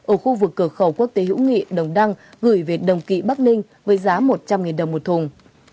ở khu vực cửa khẩu quốc tế hữu nghị đồng đăng gửi về đồng kỵ bắc ninh với giá một trăm linh đồng một thùng